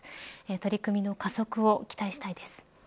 取り組みの加速を期待したいです。